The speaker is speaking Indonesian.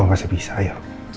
kalau masih bisa ayo